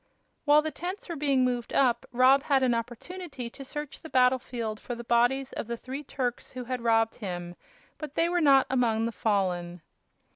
While the tents were being moved up Rob had an opportunity to search the battlefield for the bodies of the three Turks who had robbed him, but they were not among the fallen.